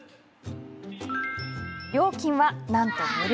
料金は、なんと無料。